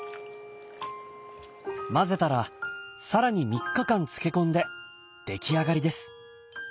混ぜたら更に３日間漬け込んで出来上がりです。